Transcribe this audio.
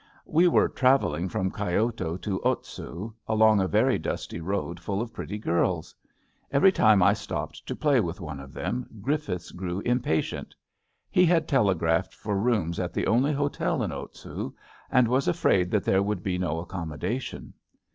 We were travelling from Kyoto to Otsu along a very dusty road full of pretty girls. Every time I stopped to play with one of them Griffiths grew impatient. He had telegraphed for rooms at the only hotel in Otsu, and was afraid that there would be no accommodation.